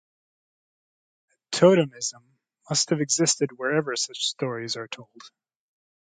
Totemism must have existed wherever such stories are told.